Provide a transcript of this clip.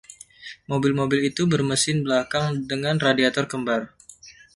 Mobil-mobil itu bermesin belakang dengan radiator kembar.